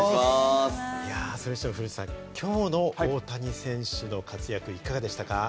それにしても古内さん、今日の大谷選手の活躍、いかがでしたか？